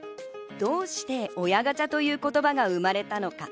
どうして親ガチャという言葉が生まれたのか。